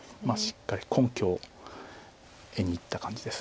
しっかり根拠を得にいった感じです。